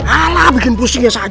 alah bikin pusing ya saja